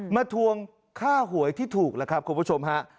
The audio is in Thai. ทวงค่าหวยที่ถูกแล้วครับคุณผู้ชมฮะ